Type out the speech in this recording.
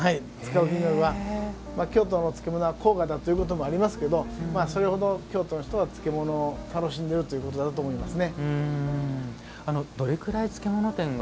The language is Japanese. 京都のお漬物は高価だということもありますけどそれほど京都の人は漬物を楽しんでいるということだと思いますね。